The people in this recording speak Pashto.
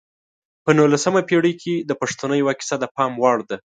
په نولسمه پېړۍ کې د پښتنو یوه کیسه د پام وړ ده.